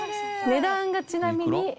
値段がちなみに？